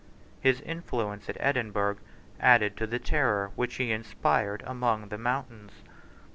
His influence at Edinburgh added to the terror which he inspired among the mountains.